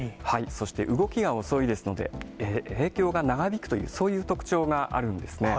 そして動きが遅いですので影響が長引くという、そういう特徴があるんですね。